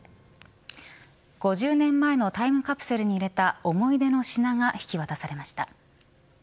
５０年前のタイムカプセルに入れた思い出の品が引き渡されました。